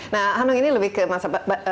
nah hanung ini lebih ke masa